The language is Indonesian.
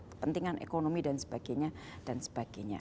kepentingan ekonomi dan sebagainya